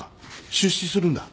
出資するんだ。